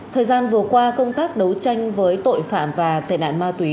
thời gian vừa qua công tác đấu tranh với tội phạm và tệ nạn ma túy